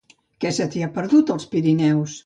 Què se t'hi ha perdut, als Pirineus?